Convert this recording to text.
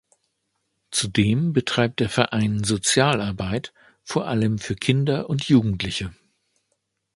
Zudem betreibt der Verein Sozialarbeit vor allem für Kinder und Jugendliche.